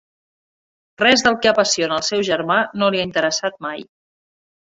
Res del que apassiona el seu germà no li ha interessat mai.